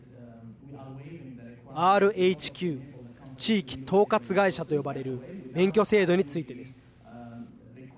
ＲＨＱ＝地域統括会社と呼ばれる免許制度についてです。